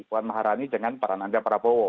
wan maharani dengan parananda prabowo